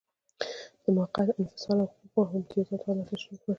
د موقت انفصال او حقوقو او امتیازاتو حالت تشریح کړئ.